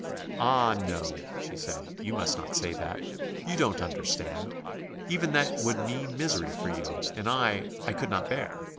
"Ah, no," she said, "you must not say that. You don't understand.... Even that would mean misery for you and I I could not bear.